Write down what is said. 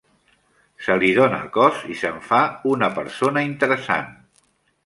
Se li dona cos i se'n fa una persona interessant.